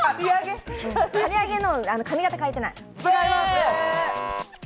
刈り上げの髪形変えてない？